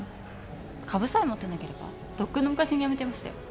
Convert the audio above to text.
株さえ持ってなければとっくの昔に辞めてましたよ。